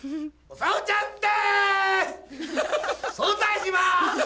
早退します。